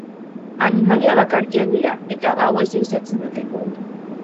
Animalia bakartiak dira, eta gauez ehizatzen dute.